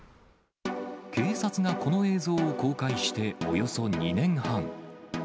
警察がこの映像を公開しておよそ２年半。